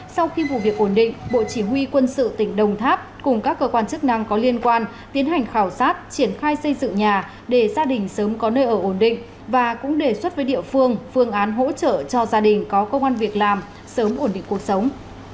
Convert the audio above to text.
sau khi vụ việc ổn định bộ chỉ huy quân sự tỉnh đồng tháp cùng các cơ quan chức năng có liên quan tiến hành khảo sát triển khai xây dựng nhà để gia đình sớm có nơi ở ổn định và cũng đề xuất với địa phương phương án hỗ trợ cho gia đình có công an việc làm sớm ổn định cuộc sống